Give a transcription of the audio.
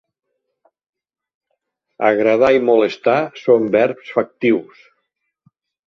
"Agradar" i "molestar" són verbs factius.